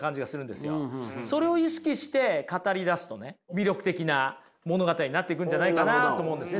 魅力的な物語になっていくんじゃないかなと思うんですね。